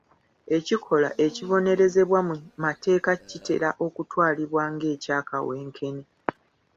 Ekikolwa ekibonerezebwa mu mateeka kitera okutwalibwa ng'ekya kawenkene.